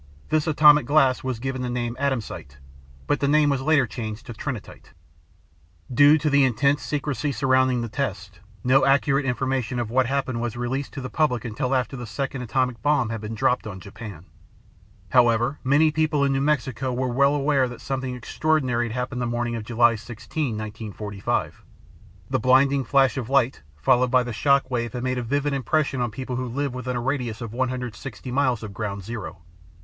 This atomic glass was given the name Atomsite, but the name was later changed to Trinitite. Due to the intense secrecy surrounding the test, no accurate information of what happened was released to the public until after the second atomic bomb had been dropped on Japan. However, many people in New Mexico were well aware that something extraordinary had happened the morning of July 16, 1945. The blinding flash of light, followed by the shock wave had made a vivid impression on people who lived within a radius of 160 miles of ground zero.